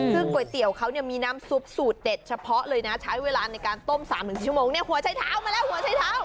ซึ่งก๋วยเตี๋ยวเขาเนี่ยมีน้ำซุปสูตรเด็ดเฉพาะเลยนะใช้เวลาในการต้ม๓๔ชั่วโมงเนี่ยหัวใช้เท้ามาแล้วหัวใช้เท้า